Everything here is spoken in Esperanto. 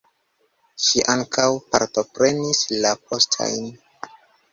Ŝi ankaŭ partoprenis la postajn.